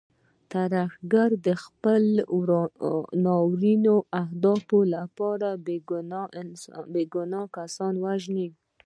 ترهګر د خپلو ناوړو اهدافو لپاره بې ګناه کسان وژني.